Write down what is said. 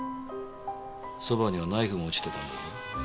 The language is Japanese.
そばにはナイフも落ちてたんだぞ。